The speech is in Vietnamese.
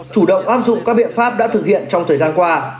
chủ động áp dụng các biện pháp đã thực hiện trong thời gian qua